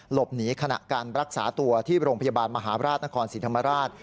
ขณะการรักษาตัวที่โรงพยาบาลมหาราชนครศรีธรรมราช